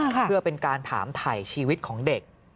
เพื่อเป็นการถามถ่ายชีวิตของเด็ก